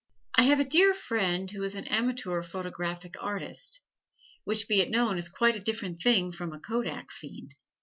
I have a dear friend who is an amateur photographic artist, which be it known is quite a different thing from a kodak fiend.